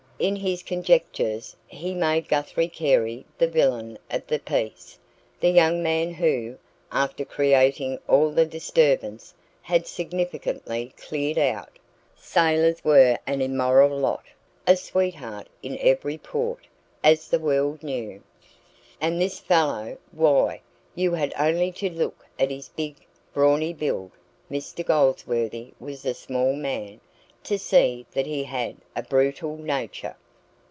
In his conjectures he made Guthrie Carey the villain of the piece the young man who, after creating all the disturbance, had significantly cleared out. Sailors were an immoral lot a sweetheart in every port, as the world knew. And this fellow why, you had only to look at his big, brawny build (Mr Goldsworthy was a small man) to see that he had a brutal nature.